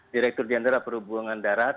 direktur jenderal perhubungan darat